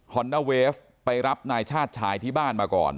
อนด้าเวฟไปรับนายชาติชายที่บ้านมาก่อน